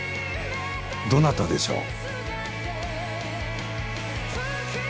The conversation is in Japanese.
どなたでしょう？